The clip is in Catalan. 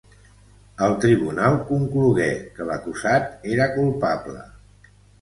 El tribunal conclogué que l'acusat era culpable.